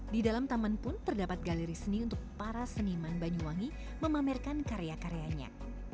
di dalam taman pun terdapat galeri seni untuk para seniman banyuwangi memamerkan karya karyanya